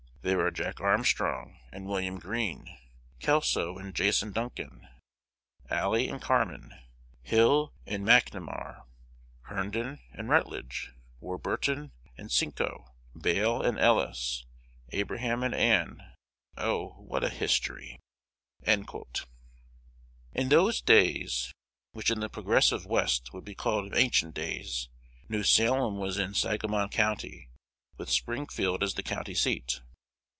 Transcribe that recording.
There are Jack Armstrong and William Green, Kelso and Jason Duncan, Alley and Carman, Hill and McNamar, Herndon and Rutledge, Warburton and Sincho, Bale and Ellis, Abraham and Ann. Oh, what a history!" In those days, which in the progressive West would be called ancient days, New Salem was in Sangamon County, with Springfield as the county seat.